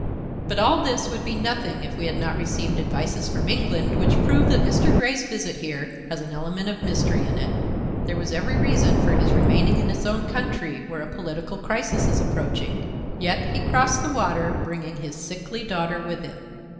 But all this would be nothing if we had not received advices from England which prove that Mr. Grey's visit here has an element of mystery in it. There was every reason for his remaining in his own country, where a political crisis is approaching, yet he crossed the water, bringing his sickly daughter with him.